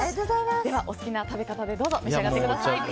お好きな食べ方でどうぞ召し上がってください。